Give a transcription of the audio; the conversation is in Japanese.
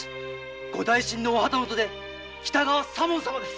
ご大身のお旗本で喜多川左門様です。